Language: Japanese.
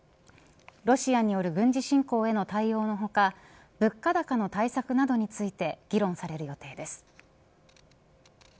ロシアによる軍事侵攻への対応の他物価高の対策などについて議論される予定です。